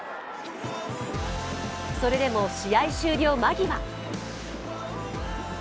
それでも試合終了間際。